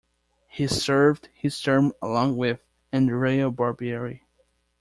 He served his term along with Andrea Barbieri.